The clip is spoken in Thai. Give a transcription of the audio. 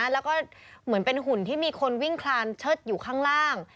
แล้วก็เหมือนเป็นหุ่นที่มีคนวิ่งคลานเชิดอยู่ข้างล่าง